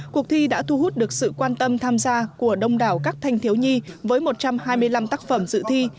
cuộc thi đã thu hút được sự quan tâm tham gia của đông đảo các thanh thiếu nhi với một trăm hai mươi năm tác phẩm dự thi